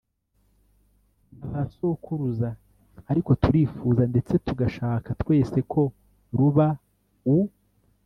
n'abasokuruza. ariko turifuza, ndetse tugashaka twese ko ruba u